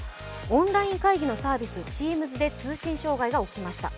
オンライン会議のサービス、Ｔｅａｍｓで通信障害が起きました。